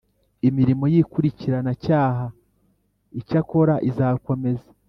imirimo y ikurikiranacyaha Icyakora izakomeza